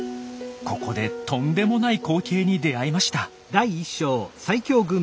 ここでとんでもない光景に出会いました。